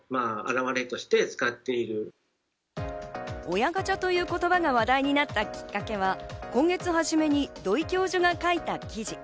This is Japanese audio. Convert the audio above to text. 親ガチャという言葉が話題になったきっかけは、今月初めに土井教授が書いた記事。